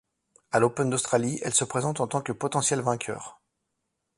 À l'Open d'Australie, elle se présente en tant que potentiel vainqueur.